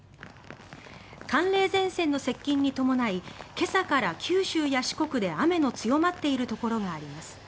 寒冷前線の接近に伴い今朝から九州や四国で雨の強まっているところがあります。